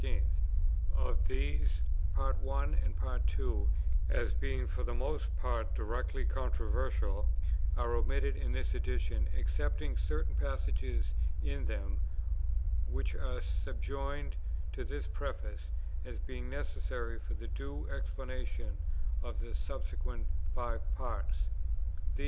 Of these Parts 1 and 2, as being for the most part directly controversial, are omitted in this Edition, excepting certain passages in them, which are subjoined to this Preface, as being necessary for the due explanation of the subsequent five Parts.